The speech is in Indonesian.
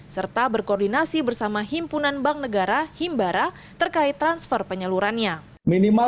serta berkoordinasi bersama himpunan bank negara himbara terkait transfer penyalurannya